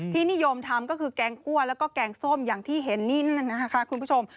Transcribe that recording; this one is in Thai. นิยมทำก็คือแกงคั่วแล้วก็แกงส้มอย่างที่เห็นนี่นั่นนะคะคุณผู้ชม